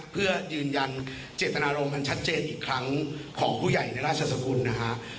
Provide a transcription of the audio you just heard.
เพื่อยืนยันเจตนารมณ์อันชัดเจนอีกครั้งของผู้ใหญ่ในราชสกุลนะฮะ